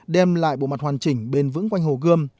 đem lại bộ mặt hoàn chỉnh bền vững quanh hồ gươm